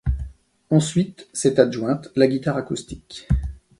Ensuite, s'est adjointe la guitare acoustique.